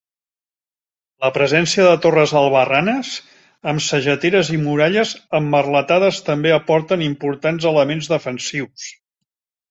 La presència de torres albarranes amb sageteres i muralles emmerletades també aporten importants elements defensius.